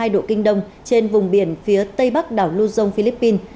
một trăm hai mươi hai độ kinh đông trên vùng biển phía tây bắc đảo luzon philippines